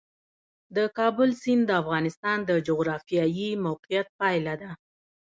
د کابل سیند د افغانستان د جغرافیایي موقیعت پایله ده.